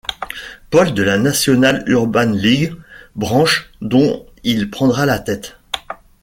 Paul de la National Urban League, branche dont il prendra la tête.